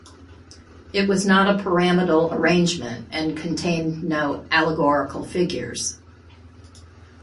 It was not a pyramidal arrangement and contained no allegorical figures.